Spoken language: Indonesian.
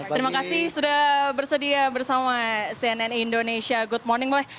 terima kasih sudah bersedia bersama cnn indonesia good morning lah